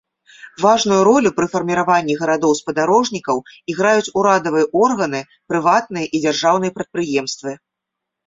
Важную ролю пры фарміраванні гарадоў-спадарожнікаў іграюць урадавыя органы, прыватныя і дзяржаўныя прадпрыемствы.